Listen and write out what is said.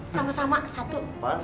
sama sama satu